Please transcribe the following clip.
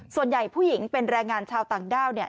ส่วนใหญ่ผู้หญิงเป็นแรงงานชาวต่างด้าว